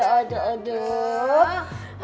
aduh aduh aduh